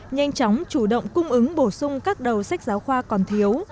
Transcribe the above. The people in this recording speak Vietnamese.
nhanh chóng chủ động cung ứng bổ sung các đầu sách giáo khoa còn thiếu